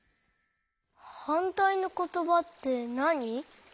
はんたいのことばってなに？